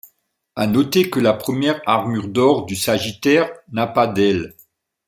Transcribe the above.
À noter que la première armure d'or du Sagittaire n'a pas d'ailes.